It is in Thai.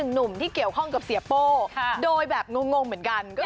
หนุ่มที่เกี่ยวข้องกับเสียโป้โดยแบบงงเหมือนกัน